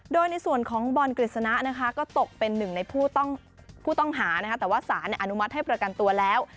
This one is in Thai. โดยในส่วนของบอลกฤษณะนะคะก็ตกเป็นหนึ่งในผู้ต้องหานะคะแต่ว่าสารอนุมัติให้ประกันตัวแล้ว